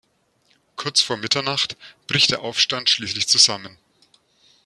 Kurz vor Mitternacht bricht der Aufstand schließlich zusammen.